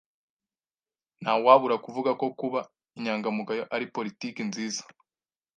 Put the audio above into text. Ntawabura kuvuga ko kuba inyangamugayo ari politiki nziza.